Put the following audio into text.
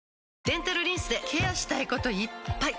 デンタルリンスでケアしたいこといっぱい！